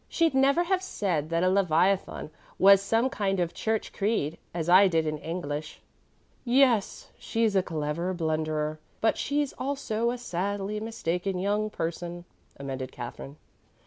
"She'd never have said that a leviathan was some kind of a church creed, as I did in English." "Yes, she's a clever blunderer, but she's also a sadly mistaken young person," amended Katherine.